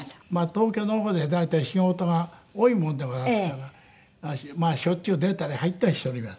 東京の方で大体仕事が多いもんでございますからまあしょっちゅう出たり入ったりしております。